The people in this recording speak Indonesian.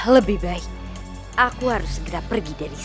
lebih baik aku harus segera pergi dari sini